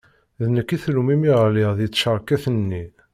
D nekk i tlum imi ɣliɣ di tcerket-nni.